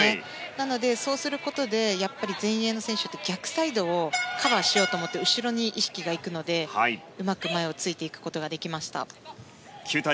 なので、そうすることで前衛の選手は逆サイドをカバーしようと思って後ろに意識が行くのでうまく前を突いていくことができました。